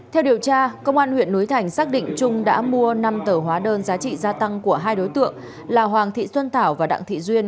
theo điều tra công an huyện núi thành xác định trung đã mua năm tờ hóa đơn giá trị gia tăng của hai đối tượng là hoàng thị xuân tảo và đặng thị duyên